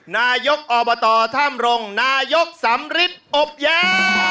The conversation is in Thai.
นายกออบตท่ามรงค์นายกสำริษฐ์อบย้ำ